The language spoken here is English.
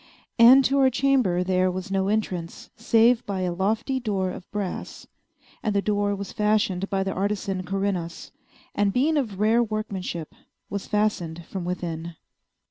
And to our chamber there was no entrance save by a lofty door of brass: and the door was fashioned by the artisan Corinnos, and, being of rare workmanship, was fastened from within.